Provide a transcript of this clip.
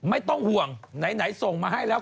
ไม่ต้องห่วงไหนส่งมาให้แล้ว